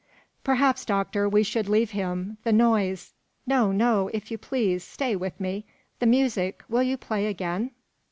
"Perhaps, doctor, we should leave him. The noise " "No, no! if you please, stay with me. The music; will you play again?"